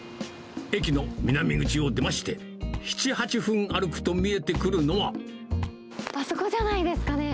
駅の南口を出まして、７、あそこじゃないですかね。